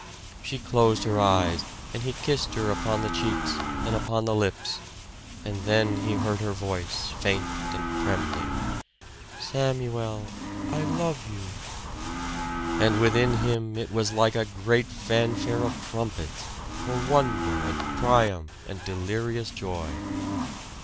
She closed her eyes, and he kissed her upon the cheeks and upon the lips; then he heard her voice, faint and trembling "Samuel, I love you!" And within him it was like a great fanfare of trumpets, for wonder and triumph and delirious joy.